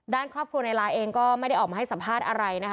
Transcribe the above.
ด้านครอบครัวในไลน์เองก็ไม่ได้ออกมาให้สัมภาษณ์อะไรนะคะ